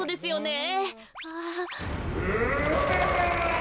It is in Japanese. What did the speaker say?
え！